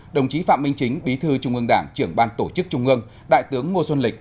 đồng chí phạm minh chính bí thư trung ương đảng trưởng ban tổ chức trung ương đại tướng ngô xuân lịch